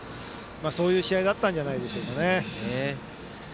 そういう試合だったんじゃないでしょうか。